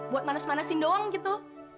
buat manes manesin doang gitu